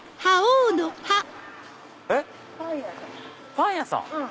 パン屋さん？